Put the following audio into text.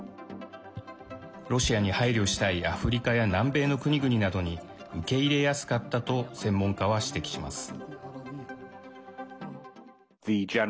ロシアに配慮したいアフリカや南米の国々などに受け入れやすかったと専門家は指摘します。